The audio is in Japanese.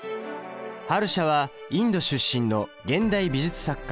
ハルシャはインド出身の現代美術作家。